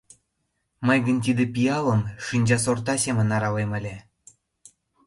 Мый гын тиде пиалым шинчасорта семын аралем ыле.